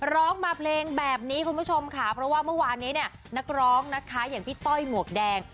ร้องมาเพลงแบบนี้คุณผู้ชมค่ะเพราะว่าเมื่อวานนี้เนี่ยนักร้องนะคะอย่างพี่ต้อยหมวกแดง